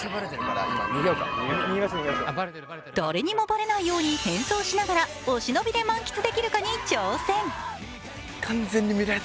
誰にもバレないように変装しながらお忍びで満喫できるかに挑戦。